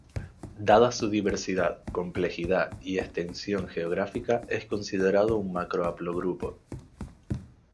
Dada su diversidad, complejidad y extensión geográfica es considerado un macro haplogrupo.